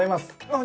何！？